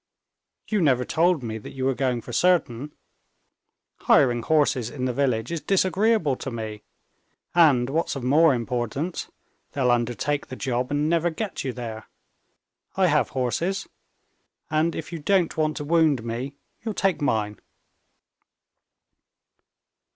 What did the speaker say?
"You never told me that you were going for certain. Hiring horses in the village is disagreeable to me, and, what's of more importance, they'll undertake the job and never get you there. I have horses. And if you don't want to wound me, you'll take mine."